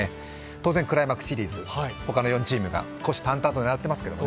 当然、クライマックスシリーズ、他の４チームが虎視眈々と狙ってますけどね。